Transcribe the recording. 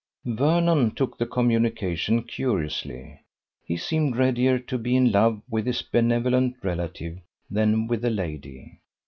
Vernon took the communication curiously. He seemed readier to be in love with his benevolent relative than with the lady.